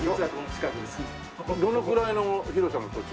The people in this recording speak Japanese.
どのくらいの広さの土地？